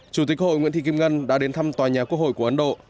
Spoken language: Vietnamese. chủ tịch hội nguyễn thị kim ngân đã đến thăm tòa nhà quốc hội của ấn độ